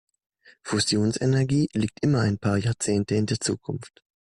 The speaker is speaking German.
Fusionsenergie liegt immer ein paar Jahrzehnte in der Zukunft.